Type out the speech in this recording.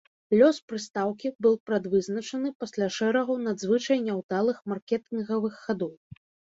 Лёс прыстаўкі быў прадвызначаны пасля шэрагу надзвычай няўдалых маркетынгавых хадоў.